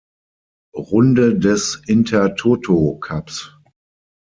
Runde des Intertoto Cups.